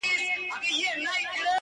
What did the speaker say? د حسن پر اړه د وینا هندارې دي